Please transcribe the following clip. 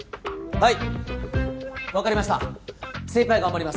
はい。